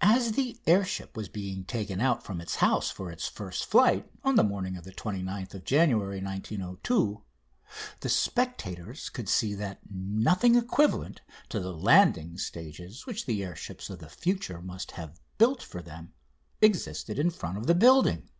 As the air ship was being taken out from its house for its first flight on the morning of 29th January 1902 the spectators could see that nothing equivalent to the landing stages which the air ships of the future must have built for them existed in front of the building.